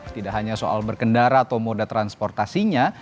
tidak hanya soal berkendara atau moda transportasinya